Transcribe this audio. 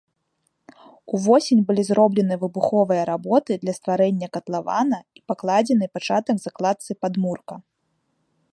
Увосень былі зроблены выбуховыя работы для стварэння катлавана і пакладзены пачатак закладцы падмурка.